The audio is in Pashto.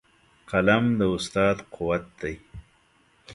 قلم د استاد قوت دی.